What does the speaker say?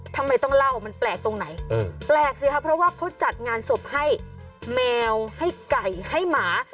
ทำไมต้องเล่ามันแปลกตรงไหนแปลกสิครับเพราะว่าเขาจัดงานศพให้แมวให้ไก่ให้หมา